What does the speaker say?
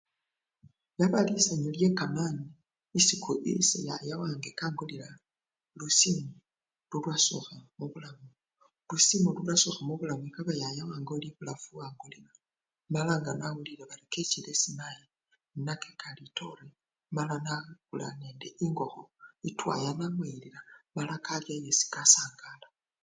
Yaba lisanyu lyekamani isi ku! yaya wange kangulila lusimu lulwasokha mubulamu bwange, lusimu lulwasokha mubulamu yaba yaya wange oli ebulafu niye owangulila mala nga nawulile bali kechile esi mayi, nakeka litore mala nakula nende engokho etwaya namuyilila mala kalya yesi kasangala.